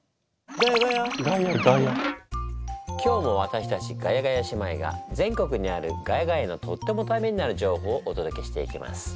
今日もわたしたちガヤガヤ姉妹が全国にある「ヶ谷街」のとってもタメになる情報をおとどけしていきます。